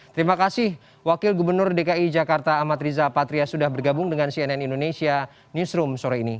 terima kasih wakil gubernur dki jakarta amat riza patria sudah bergabung dengan cnn indonesia newsroom sore ini